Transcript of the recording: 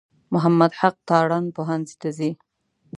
محمد حق تارڼ پوهنځي ته ځي.